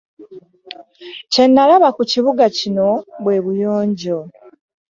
Kye nalaba ku kibuga kino, bwe buyonjo.